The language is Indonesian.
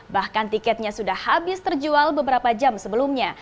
bahkan tiketnya sudah habis terjual beberapa jam sebelumnya